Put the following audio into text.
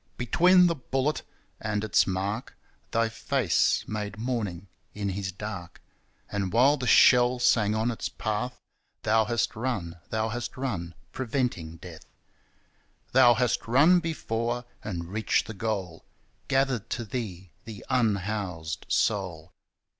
Between the bullet and its mark Thy face made morning in his dark. And while the shell sang on its path Thou hast run, Thou hast run, preventing death. Thou hast run before and reached the goal, Gathered to Thee the unhoused soul.